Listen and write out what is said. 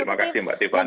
terima kasih mbak tiffany